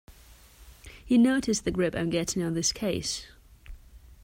You notice the grip I am getting on this case.